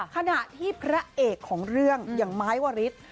ขณะที่พระเอกของเรื่องอย่างไม้วริส